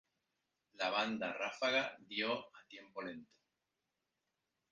La Banda Ráfaga dio "A tiempo lento".